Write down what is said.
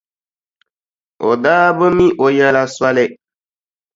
O daa bi mi o yɛla soli.